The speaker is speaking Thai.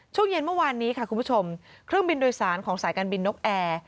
ช่วงเย็นเมื่อวานนี้ค่ะคุณผู้ชมเครื่องบินโดยสารของสายการบินนกแอร์